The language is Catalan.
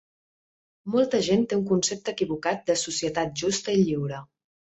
Molta gent té un concepte equivocat de societat justa i lliure.